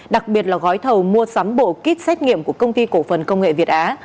đặc biệt là gói thầu mua sắm bộ kit xét nghiệm của công ty cổ phần công nghệ việt á